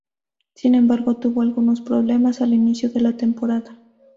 Sin embargo, tuvo algunos problemas al inicio de la temporada.